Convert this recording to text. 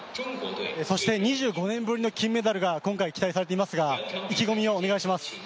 そして２５年ぶりの金メダルが今回期待されていますが、意気込みをお願いします。